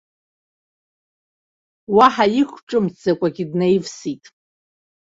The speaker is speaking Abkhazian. Уаҳа иқәҿымҭӡакәагьы днаивсит.